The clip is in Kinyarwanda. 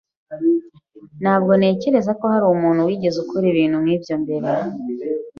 Ntabwo ntekereza ko hari umuntu wigeze akora ibintu nkibyo mbere.